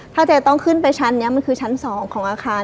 ถ้าเจ๊ต้องขึ้นไปชั้นนี้มันคือชั้น๒ของอาคาร